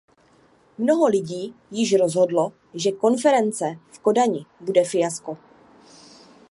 Mnoho lidí již rozhodlo, že konference v Kodani bude fiasko.